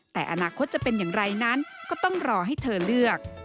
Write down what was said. แต่อนาคตจะเป็นอย่างไรนั้นก็ต้องรอให้เธอเลือก